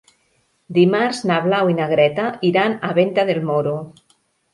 Dimarts na Blau i na Greta iran a Venta del Moro.